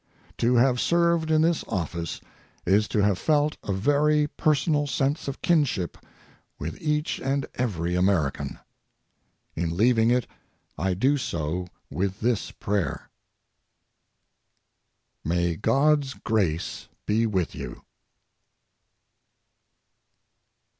To have served in this office is to have felt a very personal sense of kinship with each and every American. In leaving it, I do so with this prayer: May God's grace be with you.